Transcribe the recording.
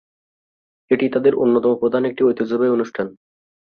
এটি তাদের অন্যতম প্রধান একটি ঐতিহ্যবাহী অনুষ্ঠান।